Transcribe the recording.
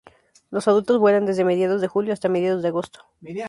Los adultos vuelan desde mediados de julio hasta mediados de agosto.